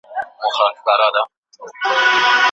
د ښځو په تعلیم سره ټوله ټولنه د رڼا په لور ځي